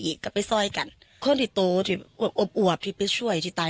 อีกกับไปซ่อยกันคนที่โตที่อบอบที่ไปช่วยที่ตาย